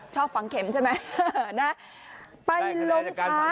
ชอบฟังเข็มใช่ไหม